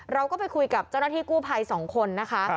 เราก็ไปคุยกับเจ้าหน้าที่กู้ภัย๒คนนะคะ